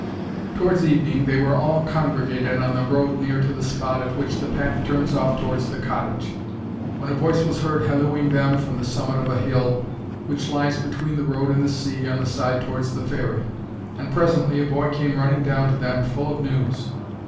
Towards evening they were all congregated on the road near to the spot at which the path turns off towards the cottage, when a voice was heard hallooing to them from the summit of a little hill which lies between the road and the sea on the side towards the ferry, and presently a boy came running down to them full of news.